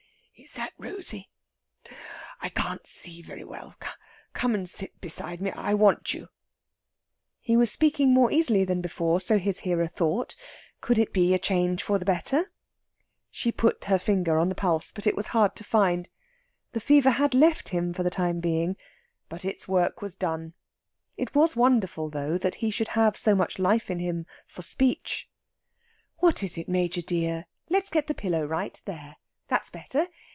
"Is that Rosey? I can't see very well. Come and sit beside me. I want you." He was speaking more easily than before, so his hearer thought. Could it be a change for the better? She put her finger on the pulse, but it was hard to find. The fever had left him for the time being, but its work was done. It was wonderful, though, that he should have so much life in him for speech. "What is it, Major dear?... Let's get the pillow right.... There, that's better!